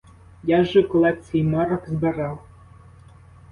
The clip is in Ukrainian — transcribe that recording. Я ж колекції марок збирав!